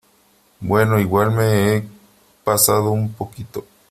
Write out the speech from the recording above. bueno , igual me he pasado un poquito .